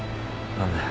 何だよ？